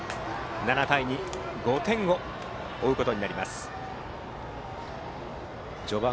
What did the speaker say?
７対２、５点を追うことになります